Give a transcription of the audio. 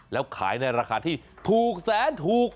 แล้วขายในราคาที่ถูกแสนถูก